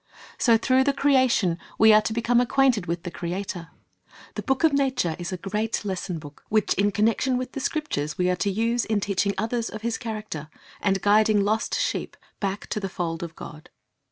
So through the creation we are to become acquainted with the Creator. The book of nature is a great lesson book, which in connection with the Scriptures we are to use in teaching others of His character, and guiding lost sheep back to the fold of God.